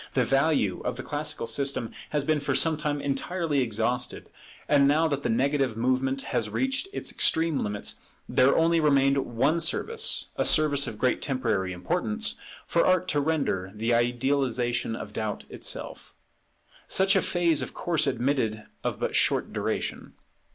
The value of the Classical system has been for some time entirely exhausted; and now that the negative movement has reached its extreme limits there only remained one service (a service of great temporary importance) for Art to render, the idealization of Doubt itself. Such a phase of course admitted of but short duration.